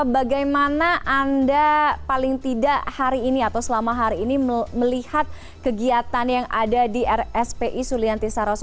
bagaimana anda paling tidak hari ini atau selama hari ini melihat kegiatan yang ada di rspi sulianti saroso